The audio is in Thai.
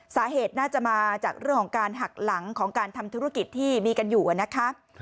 สาเหตุน่าจะมาจากเรื่องของการหักหลังของการทำธุรกิจที่มีกันอยู่นะคะ